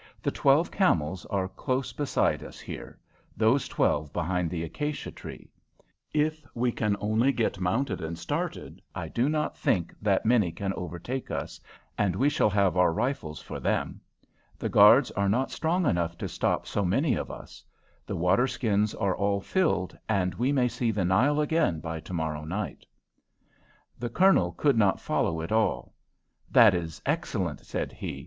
The twelve camels are close beside us here, those twelve behind the acacia tree. If we can only get mounted and started, I do not think that many can overtake us, and we shall have our rifles for them. The guards are not strong enough to stop so many of us. The waterskins are all filled, and we may see the Nile again by to morrow night." The Colonel could not follow it all, "That is excellent," said he.